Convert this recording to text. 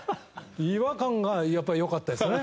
違和感がやっぱり良かったですね。